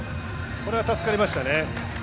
これは助かりましたね。